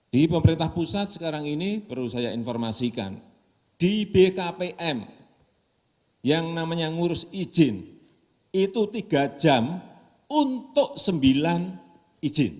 di pemerintah pusat sekarang ini perlu saya informasikan di bkpm yang namanya ngurus izin itu tiga jam untuk sembilan izin